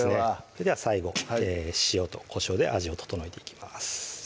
それでは最後塩とこしょうで味を調えていきます